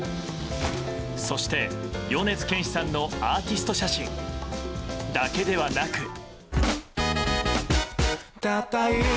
そして、米津玄師さんのアーティスト写真だけではなく。